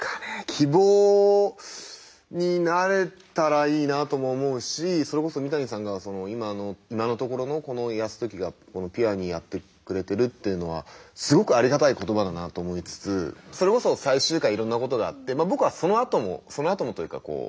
希望になれたらいいなとも思うしそれこそ三谷さんが今の今のところのこの泰時がピュアにやってくれてるっていうのはすごくありがたい言葉だなと思いつつそれこそ最終回いろんなことがあって僕はそのあともそのあともというかこう。